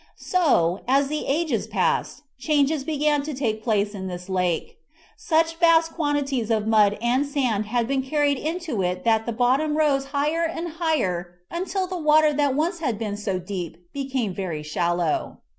So, as the ages passed, changes began to take place in this lake. Such vast quantities of mud and sand had been carried into it that the bottom rose higher and higher until the water that once had been so deep became very shallow.